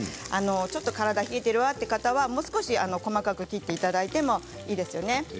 ちょっと体が冷えているわという方は、もう少し細かく切っていただいてもいいですね。